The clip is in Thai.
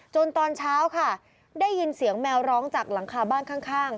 ตอนเช้าค่ะได้ยินเสียงแมวร้องจากหลังคาบ้านข้าง